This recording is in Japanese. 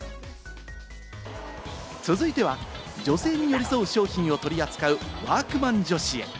続いては、女性に寄り添う商品を取り扱う「＃ワークマン女子」。